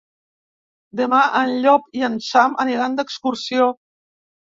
Demà en Llop i en Sam aniran d'excursió.